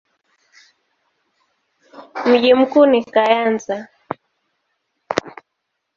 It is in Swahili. Mji mkuu ni Kayanza.